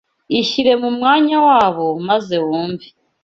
Ishyire mu mwanya wabo, maze wumve